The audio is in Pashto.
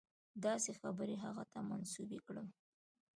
داسې خبرې هغه ته منسوبې کړم.